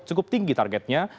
cukup tinggi targetnya